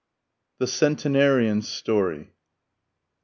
THE CENTENARIAN'S STORY.